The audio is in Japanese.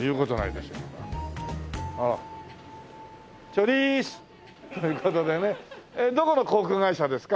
チョリース！という事でねどこの航空会社ですか？